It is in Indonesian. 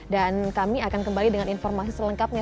dan kami akan kembali dengan informasi selengkapnya